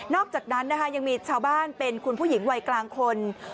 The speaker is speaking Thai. อกจากนั้นนะคะยังมีชาวบ้านเป็นคุณผู้หญิงวัยกลางคน